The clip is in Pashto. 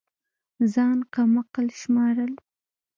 ځان كم عقل شمارل